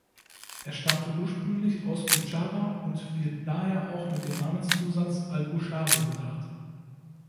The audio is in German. Er stammte ursprünglich aus Buchara und wird daher auch mit dem Namenszusatz al-Buchari bedacht.